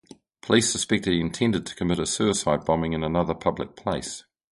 Police suspected he intended to commit a suicide bombing in another public place.